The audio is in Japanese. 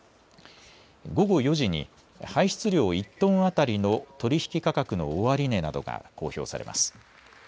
午後４時に排出量１トン当たりの取引価格の終値などが公表されます。